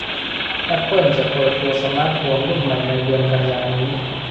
แอปเปิลจะเปิดตัวสมาร์ตโฟนรุ่นใหม่ในเดือนกันยายนนี้